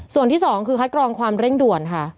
ส่วนที่๒คือคัดกรองความเร่งด่วนค่ะ